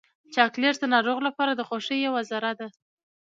چاکلېټ د ناروغ لپاره د خوښۍ یوه ذره ده.